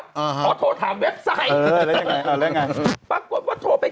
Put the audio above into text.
เพราะโทรถามเว็บไซต์